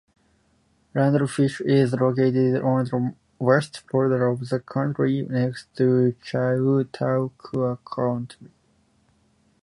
Randolph is located on the west border of the county, next to Chautauqua County.